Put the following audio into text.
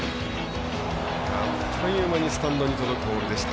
あっという間にスタンドに届くボールでした。